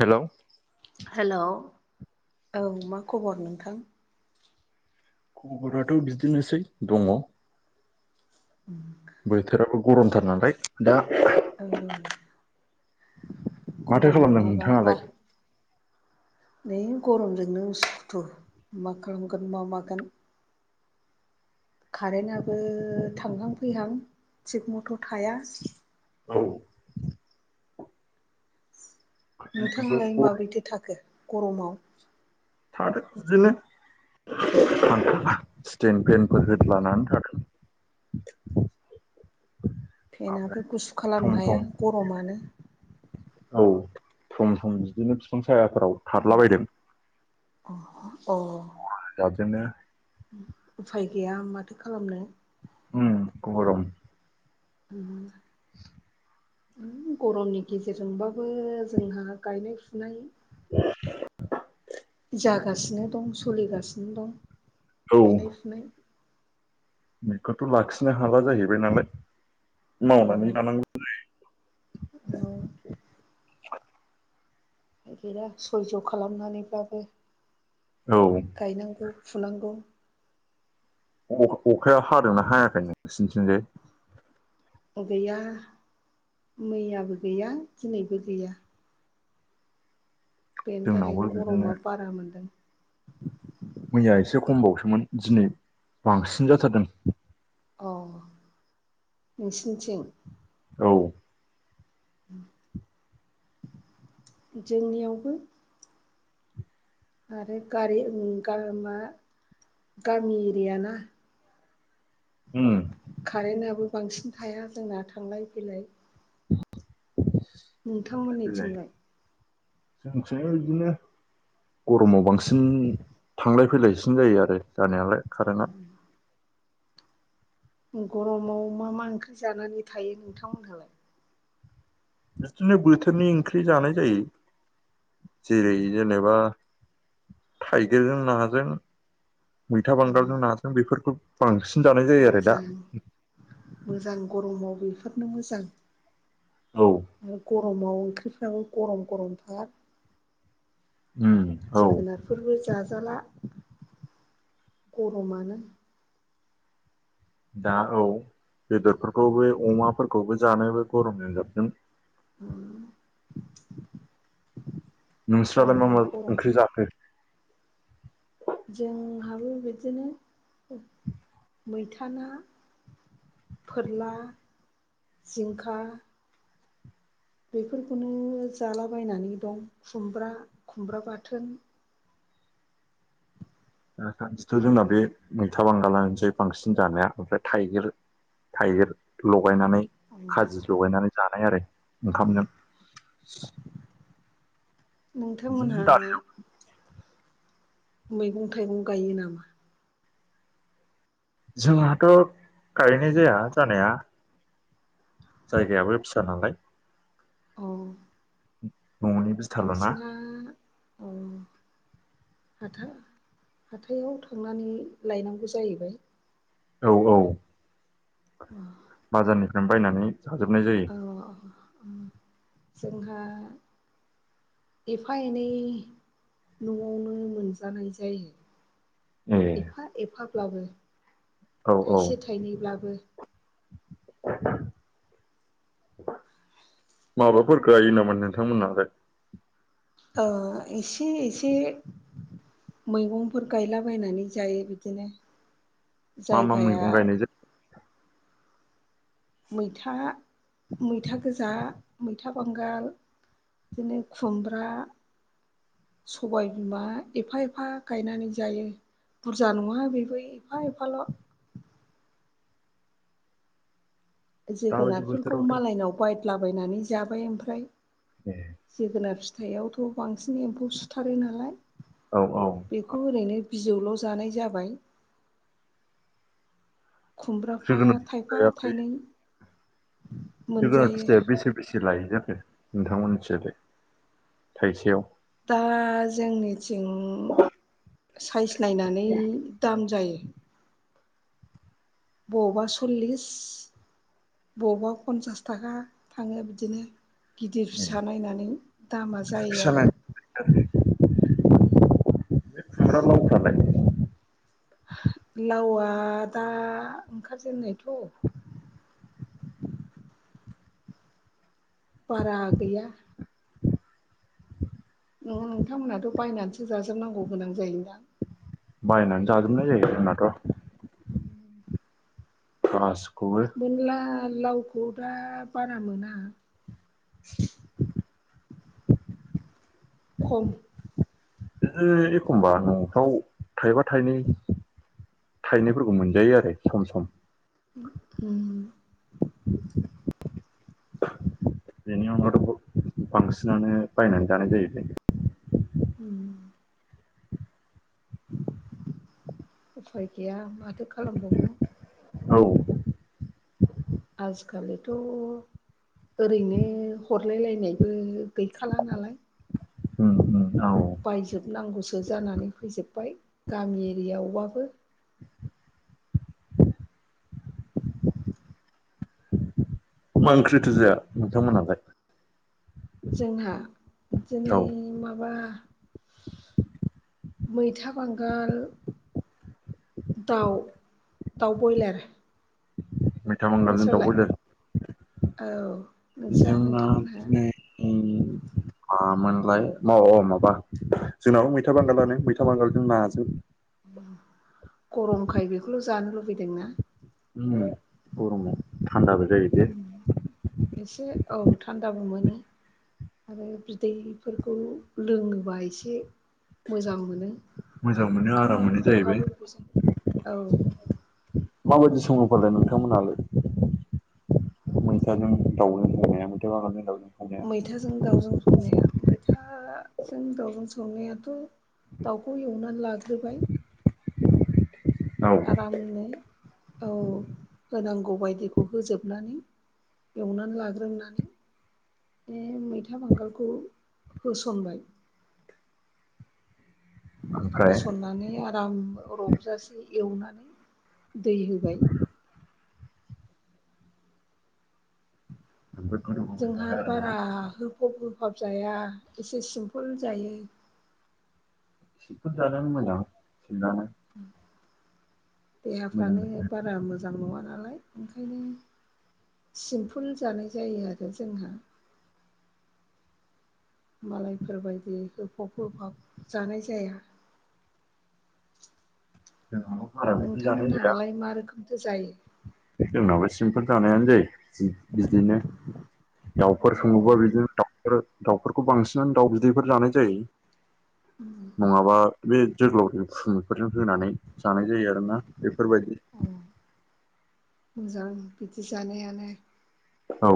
Hello hello औ मा खबर नोंथां? खबराथ' बिदिनोसै दङ। बोथोराबो गरमथार नालाय दा। औ। माथो गरम खालामदों नङाबा मा नोंथाङालाय? नै गरमजोंनो उसुखुथु मा खालामगोन मा मागोन। कारेन्टआबो थांहां फैहां थिग मथ' थाया। औ। गरम नोंथांलाय माबोरैथो थाखो गरमाव? थादों बिदिनोलै। [unintelligible] स्टेन पेनफोर होदलानानै थादों। [inaudible] फेनाबो गुसु ओमफ्राय खालामनो सम हाया सम गरमानो। औ सम सम बिदिनो बिफां सायाफोराव थारलाबायदों। अ अ अ। बिदिनो। उफाय गैया माथो खालामनो। उम गरम। [inaudible] गरमनि गेजेरजोंबाबो जोंहा गायनाय-फुनाय जागासिनो दं सोलिगासिनो दं औ गायनाय फुनाय बेखौथ' लाखिनो हाला जाहैबाय नालाय औ मावनानै लानांगौ जायो। औ [inaudible] बोथोरा सयज' खालामनानैब्लाबो गायनांगौ फुनांगौ अखाया हादोंना हायाखै नोंसिनिथिंजाय गैया मैयाबो गैया दिनैबो गैया बेनि जोंनावबो थाखायनो बिदिनो गरमा बारा मोनदों। मैया एसे खमबावसोमोन दिनै अ बांसिन जाथारदों। नोसिनिथिं औ [inaudible] जोंनियावबो आरो गारि गा मा गामि एरियाना उम कारेन्टआबो बांसिन थाया जोंना थांलाय फैलाय [inaudible] नोंथांमोननिथिंलाय जोंसो इदिनो गरमाव बांसिन थांलाय फैलायसिन जायो आरो जानायालाय कारेन्टआ गरमाव मा मा ओंख्रि जानानै थायो नोंथांमोनहालाय बिदिनो बोथोरनि ओंख्रि जानाय जायो जेरै जेनेबा थाइगिरजों नाजों, मैथा बांगालजों नाजों बेफोरखौ बांसिन जानाय जायो आरो दा मोजां मोजां गरमाव बेफोरनो मोजां औ आरो गरमाव ओंख्रिफ्राबो गरम गरमथार। उम औ जोगोनारफोरबो जाजाला गरमानो दा औ बेदरफोरखौबो अमाफोरखौबो जानोबो गरमजों जाबजों उम नोंस्रालाय मा मा ओंख्रि जाखो? जोंहाबो बिदिनो मैथा ना। फोरला जिंखा बेफोरखौनो जालाबायनानै दं खुमब्रा खुमब्रा बाथोन दासान्दिथ' जोंना बे मैथा बांगालानोसै बांसिन जानाया ओमफ्राय थाइगिर थाइगिर लं लगायनानै खाजि लगायनानै जानाय आरो ओंखामजों। बिदिनो नोंथांमोनहा दा मैगं थाइगं गायो नामा? जोंहाथ' खारैनाय जाया जानाया जायगायाबो फिसा नालाय। औ [inaudible] बिथाल'ना बांसिना अ हाथा हाथायाव थांनानै लायनांगौ जाहैबाय औ औ अ बाजारनिफ्राय बायनानै जाजोबनाय जायो औ औ जोंहा एफा एनै न'आवनो मोनजानाय जायो ए एफा एफाब्लाबो औ औ थाइसे थाइनैब्लाबो [inaudible] माबाफोर गायो नामा नोंथांमोनहालाय ओ इसे इसे मैगंफोर गायलाबायायनानै जायो बिदिनो मा मा जायगाया मैगं गायनाय जायो मैथा मैथा गोजा मैथा बांगाल बिदिनो खुमब्रा सबाय बिमा एफा एफा गायनानै जायो बुरजा नङा बेबो एफा एफाल' दाबायदि जोगोनारफोरखौ बोथोरावथ' मालायनाव बायदलाबायनानै जाबाय ओमफ्राय ए जोगोनार फिथाइआवथ' बांसिन एम्फौ सुथारो नालाय औ औ बेखौ ओरैनो बिजौल' जानाय जाबाय खुमब्राफा जोगोनार थाइफा फिथाइया बे थाइनै जोगोनार मोनजायो फिथाइया बेसे बेसे लायो जाखो नोंथांमोननिथिंजायलाय थाइसेयाव दा जोंनिथिं साइज नायनानै दाम जायो बबावबा सल्लिस बबावबा पन्सास थाखा थाङो बिदिनो गिदिर ए फिसा नायनानै दामा जायो फिसा आरो नायनानै उम खुम्ब्रा लाव फोरालाय लावआ दा ओंखारजेनायथ' बारा गैया [inaudible] नोङो नोंथांमोनाथ' बायनानैसो जाजोबनांगौ गोनां जायोनोदां बायनानै जाजोबनाय जायो जोंनाथ' गासिखौ मोनला लावखौ दा बारा मोना [inaudible] खम ओ एखमबा न'फ्राव थाइबा थाइनै थायनायफोरखौ मोनजायो आरो सम सम हम उम [inaudible] बेनि अनगावथ' बुहुत बांसिनानो बायनानै जानाय जाहैबाय उम उफाय गैया माथो खालाम बावनो औ आजिखालिथ' ओरैनो हर हरलाय लायनायबो गैखाला नालाय उ उ बायजोबनांगौसो जानानै फैजोब्बाय गामि एरियायावबाबो [inaudible] मा ओंख्रिथो जाया नोंथां मोनहालाय जोंहा बिदिनो औ माबा मैथा बांगाल दाउ दाउ बयलार मैथा मांगालजों नोंस्रालाय दाउब्रयलारजों औ नोंस्रा जोंना नोंथांमोनहा दिनै उम आ मोनबाय मव अ माबा जोंनाव मैथा बांगालानो मैथा बांगालजों नाजों गरमखाय बेखौल' जानो लुबैदों ना [unintelligible] गरम आव थान्दा बो एसे औ थान्दाबो मोनो आरो बिदैफोरखौ लोङोबा एसे मोजां मोनो मोजां मोनो आराम ओंखामाबो मोनो जाहैबाय खहाबो बेजों औ माबायदि सङो फालाय नोंथांमोनहालाय मैथाजों गाउजों संनाया मैथा बांगालजों दाउजों संनाया मैथाजों दाउजों संनाया मैथाजों दाउजों संनायाथ' दाउखौ एवनानै लाग्रोबाय औ आरामनो औ होनांगौ बायदिखौ होजोबनानै एवनानै लाग्रोननानै बे मैथा बांगालखौ होसनबाय ओमफ्राय होसननानै आराम रबजासे एवनानै दै होबाय। जोबोद गोदौ होबाय जोंहा थाबाय आरोना बारा होफब होफाब जाया एसे सिमपुल जायो। सिफोर दानो मोजां सिनानै मोजां देहाफ्रानो जायो बारा मोजां नङाना नालाय ओंखायनो सिम्पोल जानाय जायो आरो जोंहा मालायफोरबायायदि होफाब होफाब जानाय जाया। जोंहाबो बारा बिदि जानाय जाया नोंथांमोनहालाय मा रोखोमथो जायो? सिंफोर जानायानो जै बिदिनो अ दाउफोर सङोबा बिदिनो। दाउफोरखौ बांसिन। बे जोगोलावजों [unintelligible] होनानै जानाय जायो आरोना बेफोरबायदि मोजां बिदि जानायानो औ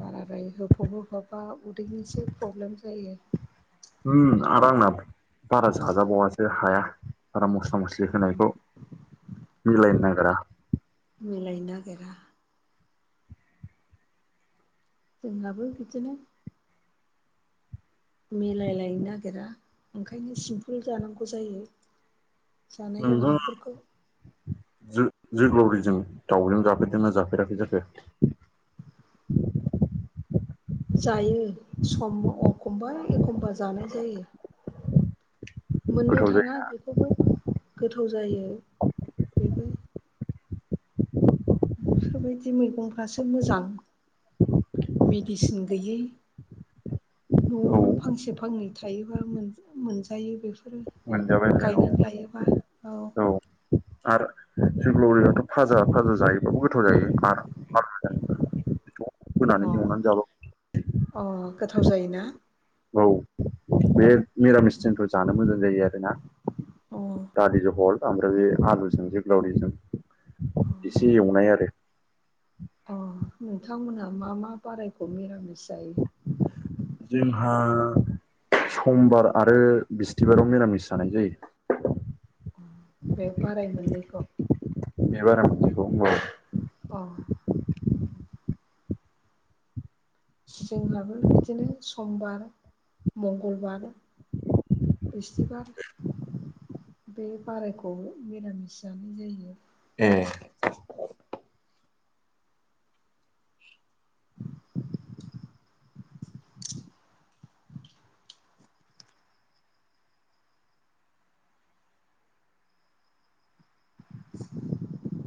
बारादाय होफब होफाबबा उदैनिसो प्रब्लेम जायो। हो आर आंना बारा साजाबावासो हाया आरो मस्ला मस्लि होनायखौ मिलायनो नागिरा मिलाय नागिरा जोंहाबो बिदिनो मिलायलायनो नागिरा ओंखायनो सिमपोल जानांगौ जायो। जानाय नोंथाङा लोंनायफोरखौ जो जोग्लावरिजों दाउजों जाफेरदोंना जाफेराखै जाखो [inaudible] जायो सम अखमबा एखमबा जानाय जायो मोननो गोथाव जायो थाङा बेखौबो गोथाव जायो बेबो। बेफोरबायदि मैगंफ्रासो मोजां मेडिसिन गैयै औ न'आवनो फांसे फांनै थायोबा मोनजायो बेफोर मोनजाबाय नै औ औ आरो जोंग्लावरियाथ फाजा फाजा जायोबाबो गोथाव जायो मार मार अ फोनानै एवनानै जाबाव अ गोथाव जायोना औ बे निरामिस जोंफोर जानो मोजां जायो आरो ना अ दालि जहल ओमफ्राय बे आलुजों जोग्लावरिजों अ एसे एवनाय आरो अ नोंथांमोनहा मा मा बारायखौ मिरामिस जायो जोंहा समबार आरो बिस्तबाराव मिरामिस जानाय जायो बे बाराय मोननैखौ बे बाराय मोनसेखौ होनबाबो उम जोंहाबो बिदिनो समबार मंगलबार। बिस्थिबार बे बारायखौ मिरामिस जानाय जायो। ए [inaudible] [inaudible]